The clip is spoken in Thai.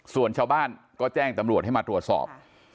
ส่วนชาวบ้านก็แจ้งตำรวจให้มาตรวจสอบ